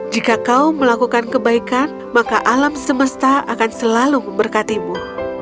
jika kau melakukan kebaikan maka alam semesta akan selalu memberkatimu